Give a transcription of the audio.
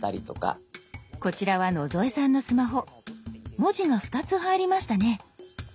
文字が２つ入りましたね。